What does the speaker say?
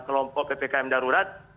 kelompok ppkm darurat